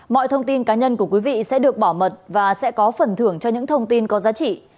mọi thông tin cá nhân của quý vị sẽ được bảo mật và sẽ có phần thưởng cho những thông tin có giá trị